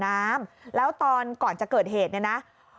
น้ำแล้วตอนก่อนจะเกิดเหตุเนี่ยนะ